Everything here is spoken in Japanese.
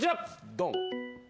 ドン！